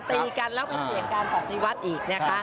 ตีกันแล้วพแล้วเสียงการต่อดิวัธิวัฏอีกนะคะ